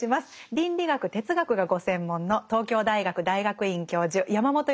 倫理学哲学がご専門の東京大学大学院教授山本芳久さんです。